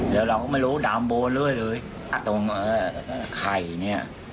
แล้วเราก็ไม่รู้ดำบวนเรื่อยตรงไข่เนี่ย